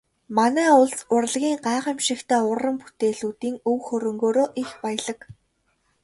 Манай улс урлагийн гайхамшигтай уран бүтээлүүдийн өв хөрөнгөөрөө их баялаг.